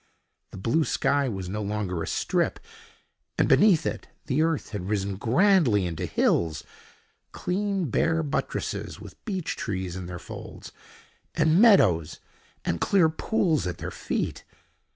The blue sky was no longer a strip, and beneath it the earth had risen grandly into hills—clean, bare buttresses, with beech trees in their folds, and meadows and clear pools at their feet.